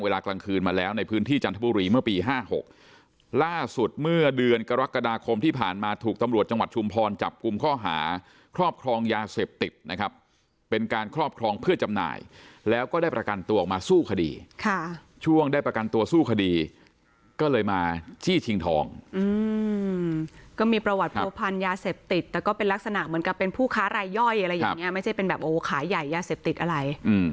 ล่าสุดเมื่อเดือนกรกฎาคมที่ผ่านมาถูกตำรวจจังหวัดชุมพรจับกลุ่มข้อหาครอบครองยาเสพติดนะครับเป็นการครอบครองเพื่อจำนายแล้วก็ได้ประกันตัวออกมาสู้คดีค่ะช่วงได้ประกันตัวสู้คดีก็เลยมาชี้ชิงทองอืมก็มีประวัติโพรพันยาเสพติดแต่ก็เป็นลักษณะเหมือนกับเป็นผู้ค้ารายย่อยอะไรอย่างเงี้ยไม่ใช่